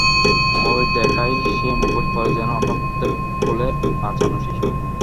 ভয় দেখায় সে মুখোশ পরে–যেন আমরা মুহূর্তের কোলে নাচানো শিশু।